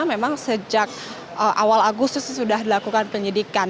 memang sejak awal agustus sudah dilakukan penyidikan